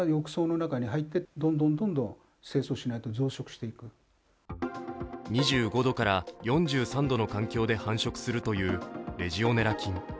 しかし２５度から４３度の環境で繁殖するというレジオネラ菌。